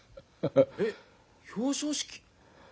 えっ表彰式？